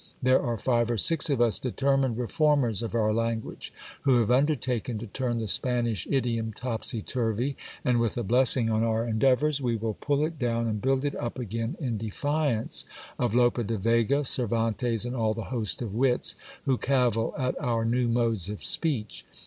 There are five or six of us determined reformers of our language, who have undertaken to turn the Spanish idiom topsy turvy ; and with a blessing on our endeavours, we will pull it down and build it up again in defiance of Lope de Vega, Cervantes, and all the host of wits who cavil at our new modes of speech.